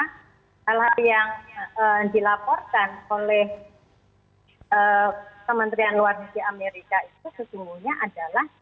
hal hal yang dilaporkan oleh kementerian luar negeri amerika itu sesungguhnya adalah